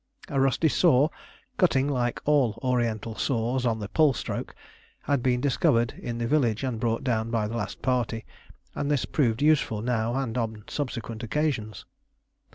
A rusty saw, cutting like all Oriental saws on the pull stroke, had been discovered in the village and brought down by the last party, and this proved useful now and on subsequent occasions.